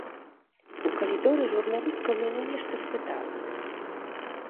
У калідоры журналістка ў мяне нешта спытала.